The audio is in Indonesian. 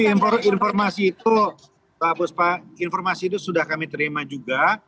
informasi itu pak buspa informasi itu sudah kami terima juga